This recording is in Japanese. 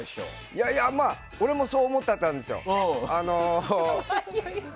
いやいや俺もそう思ってたんですよ。